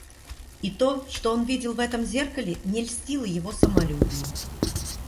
И то, что он видел в этом зеркале, не льстило его самолюбию.